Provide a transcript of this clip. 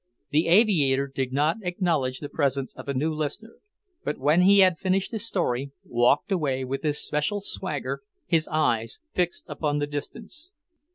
The aviator did not acknowledge the presence of a new listener, but when he had finished his story, walked away with his special swagger, his eyes fixed upon the distance.